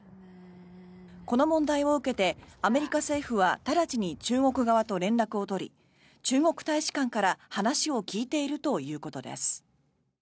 この問題を受けてアメリカ政府は直ちに中国側と連絡を取り中国大使館から話を聞いているということです。